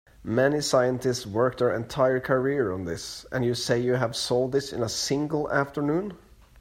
Many scientists work their entire careers on this, and you say you have solved this in a single afternoon?